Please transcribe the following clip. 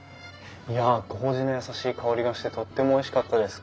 いや麹の優しい香りがしてとってもおいしかったです。